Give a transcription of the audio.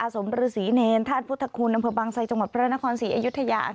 สมฤษีเนรธาตุพุทธคุณอำเภอบางไซจังหวัดพระนครศรีอยุธยา